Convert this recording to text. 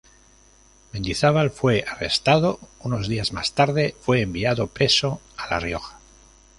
Mendizábal fue arrestado; unos días más tarde, fue enviado preso a La Rioja.